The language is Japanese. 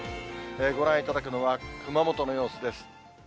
ご覧いただくのは、熊本の様子です。